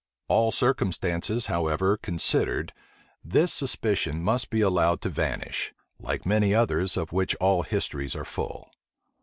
All circumstances, however, considered, this suspicion must be allowed to vanish; like many others, of which all histories are full.